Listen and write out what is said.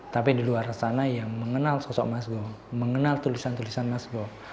tapi di luar sana yang mengenal sosok mas gouw